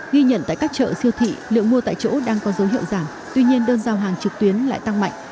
ghi nhận tại các chợ siêu thị liệu mua tại chỗ đang có dấu hiệu giảm tuy nhiên đơn giao hàng trực tuyến lại tăng mạnh